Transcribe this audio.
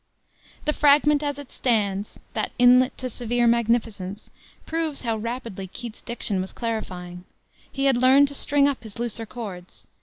The fragment, as it stands "that inlet to severe magnificence" proves how rapidly Keats's diction was clarifying. He had learned to string up his looser chords.